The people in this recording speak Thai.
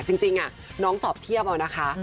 จริงน้องสอบเทียบเอานะคะ